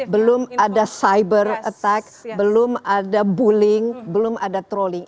belum ada cyber attack belum ada bullying belum ada trolling